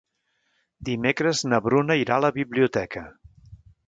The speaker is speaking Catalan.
Dimecres na Bruna irà a la biblioteca.